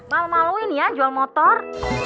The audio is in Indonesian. mal maluin ya jual motor